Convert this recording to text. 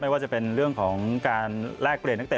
ว่าจะเป็นเรื่องของการแลกเปลี่ยนนักเตะ